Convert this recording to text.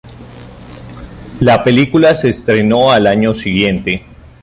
La película se estrenó al año siguiente.